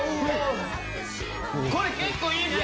これ結構いいね